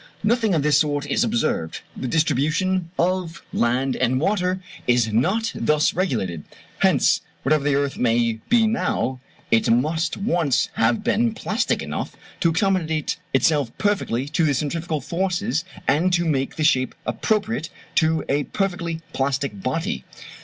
Nothing of this sort is observed: the distribution of land and water is not thus regulated. Hence, whatever the earth may be now, it must once have been plastic enough to accommodate itself perfectly to the centrifugal forces, and to take the shape appropriate to a perfectly plastic body.